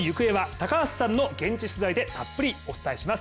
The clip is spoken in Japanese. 高橋さんの現地取材でたっぷりお伝えします。